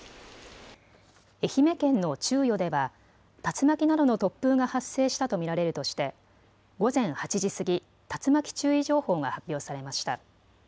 愛媛県の中予では竜巻などの突風が発生したと見られるとして午前８時過ぎ、竜巻注意情報が発表されました。